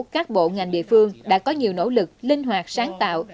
các bộ ngành địa phương đã có nhiều nỗ lực linh hoạt sáng tạo